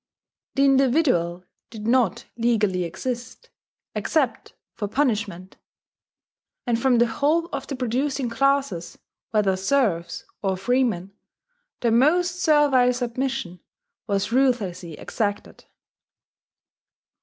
The individual did not legally exist, except for punishment; and from the whole of the producing classes, whether serfs or freemen, the most servile submission was ruthlessly exacted.